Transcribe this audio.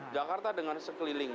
jakarta dengan sekeliling